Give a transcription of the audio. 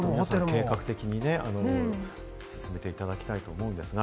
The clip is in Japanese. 計画的に進めていただきたいと思うんですが。